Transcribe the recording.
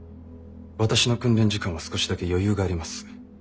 私の訓練時間は少しだけ余裕があります。